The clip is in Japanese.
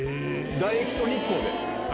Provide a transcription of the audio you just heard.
唾液と日光で。